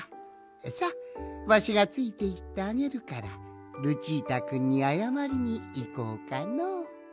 さわしがついていってあげるからルチータくんにあやまりにいこうかのう。